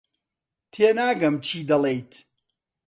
تێناگەم چی دەڵێیت.